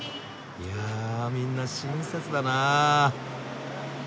いやみんな親切だなあ。